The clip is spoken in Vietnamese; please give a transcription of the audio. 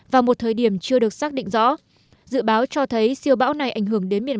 vào một thời điểm chưa được xác định rõ dự báo cho thấy siêu bão này ảnh hưởng đến miền